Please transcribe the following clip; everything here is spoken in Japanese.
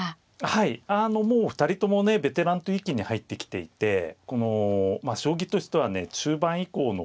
はいあのもう２人ともねベテランという域に入ってきていてこの将棋としてはね中盤以降のねじり合いっていうんですかね